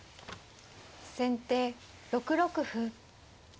先手６六歩。